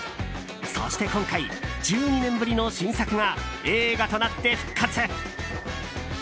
そして今回、１２年ぶりの新作が映画となって復活。